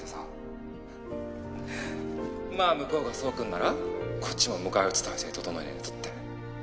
まあ向こうがそうくんならこっちも迎え撃つ態勢整えねえとって。